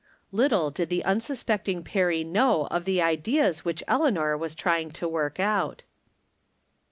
Little did the unsuspecting Perry know of the ideas which Eleanor was trying to work out